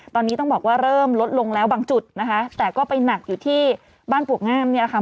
ตอนนี้ต้องบอกว่าเริ่มลดลงแล้วบางจุดนะคะแต่ก็ไปหนักอยู่ที่บ้านปวกงามเนี่ยแหละค่ะ